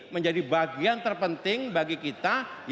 menjadi bagian terpenting bagi kita